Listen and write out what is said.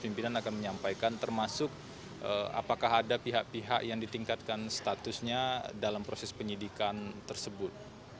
pimpinan akan menyampaikan termasuk apakah ada pihak pihak yang ditingkatkan statusnya dalam proses penyidikan tersebut